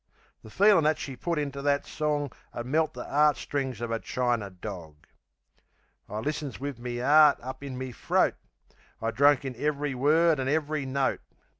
The feelin' that she put into that song 'Ud melt the 'eart strings of a chiner dog. I listens wiv me 'eart up in me throat; I drunk in ev'ry word an' ev'ry note.